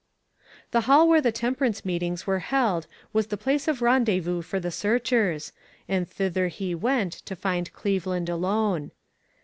The hall where the temperance meetings were held was the place of rendezvous for the searchers, and thither he went, to find Cleveland alone.